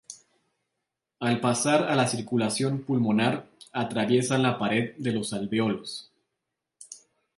Al pasar a la circulación pulmonar, atraviesan la pared de los alveolos.